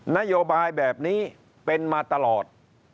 นโยบายแบบนี้เป็นมาตลอด